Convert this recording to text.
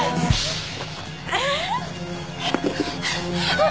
あっ！